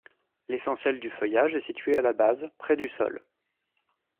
L'essentiel du feuillage est situé à la base, près du sol.